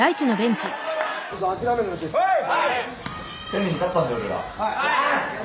はい！